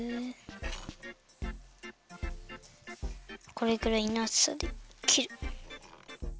これくらいのあつさできる。